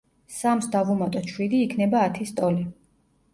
სამს დავუმატოთ შვიდი იქნება ათის ტოლი.